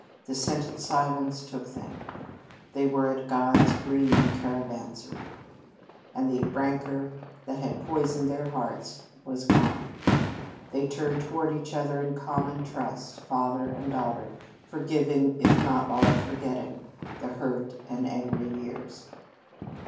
The scented silence took them. They were at "God's green caravansarie," and the rancor that had poisoned their hearts was gone. They turned toward each other in common trust, father and daughter, forgiving, if not all forgetting, the hurt and angry years.